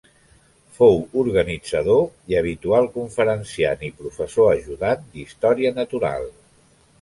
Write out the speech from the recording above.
Fou organitzador i habitual conferenciant i professor ajudant d'història natural.